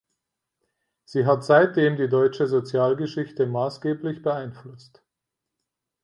Sie hat seitdem die deutsche Sozialgeschichte maßgeblich beeinflusst.